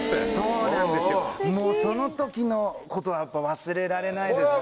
そうなんですよもうその時のことはやっぱ忘れられないですね。